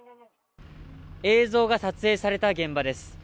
映像が撮影された現場です。